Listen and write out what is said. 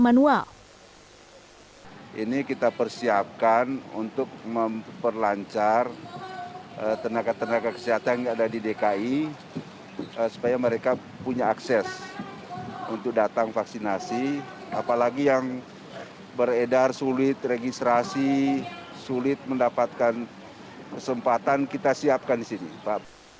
pemerintah juga mengatakan para nakes yang belum terdaftar akan mendaftar secara manual